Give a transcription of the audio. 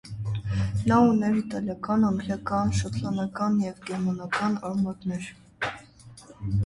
Նա ուներ իռլանդական, անգլիական, շոտլանդական և գերմանական արմատներ։